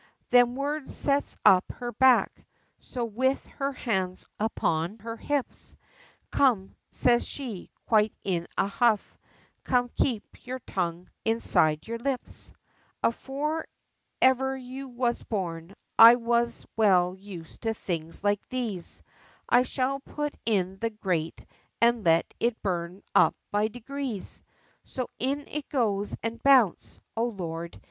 Them words sets up her back, so with her hands upon her hips, 'Come,' says she, quite in a huff, 'come, keep your tongue inside your lips; Afore ever you was born, I was well used to things like these; I shall put it in the grate, and let it burn up by degrees. So in it goes, and Bounce O Lord!